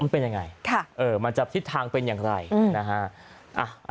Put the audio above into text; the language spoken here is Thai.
มันเป็นยังไงมันจะทิศทางเป็นอย่างไรนะฮะ